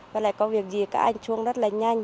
và lại có việc gì các anh chuông rất là nhanh